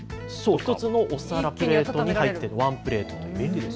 １つのプレートに入っているワンプレート。